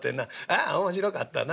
『ああ面白かったな』